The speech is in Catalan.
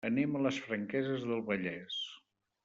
Anem a les Franqueses del Vallès.